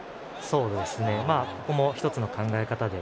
これも１つの考え方で。